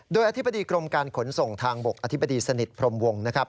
โดยอธิบดีกรมการขนส่งทางบกอธิบดีสนิทพรมวงนะครับ